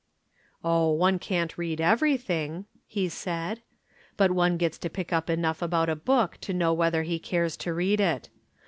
"Oh, one can't read everything," he said. "But one gets to pick up enough about a book to know whether he cares to read it.